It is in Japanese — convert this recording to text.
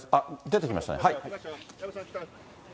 あっ、出てきましたね。